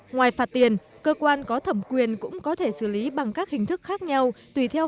ngoài phạt tiền cơ quan có thẩm quyền cũng có thể xử lý bằng các hình thức khác nhau